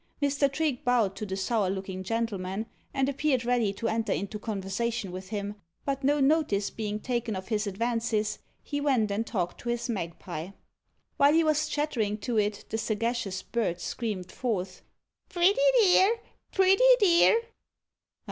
Mr. Trigge bowed to the sour looking gentleman, and appeared ready to enter into conversation with him, but no notice being taken of his advances, he went and talked to his magpie. While he was chattering to it, the sagacious bird screamed forth: "Pretty dear! pretty dear!"